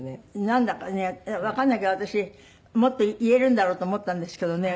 なんだかねわかんないけど私もっと言えるんだろうと思ったんですけどね